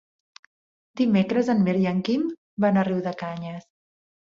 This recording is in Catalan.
Dimecres en Mirt i en Quim van a Riudecanyes.